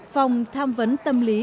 phòng tham vấn tâm lý